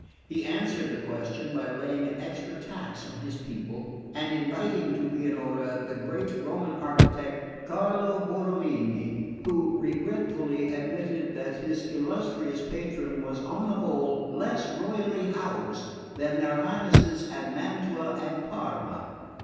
He answered the question by laying an extra tax on his people and inviting to Pianura the great Roman architect Carlo Borromini, who regretfully admitted that his illustrious patron was on the whole less royally housed than their Highnesses of Mantua and Parma.